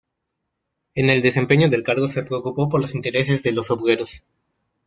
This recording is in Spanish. En el desempeño del cargo se preocupó por los intereses de los obreros.